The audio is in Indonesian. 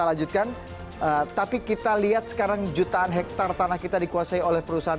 make indonesia great again